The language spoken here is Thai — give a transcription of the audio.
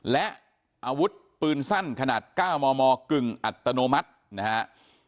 และอาวุธปืนสั้นขนาด๙มมกึ่งอัตโนมัตินะฮะ